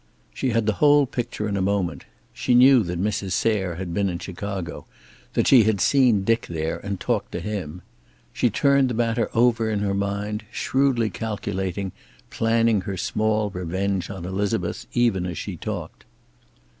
She had the whole picture in a moment. She knew that Mrs. Sayre had been in Chicago, that she had seen Dick there and talked to him. She turned the matter over in her mind, shrewdly calculating, planning her small revenge on Elizabeth even as she talked.